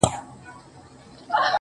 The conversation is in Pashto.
د بدرنگ رهبر نظر کي را ايسار دی